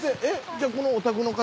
じゃあこのお宅の方？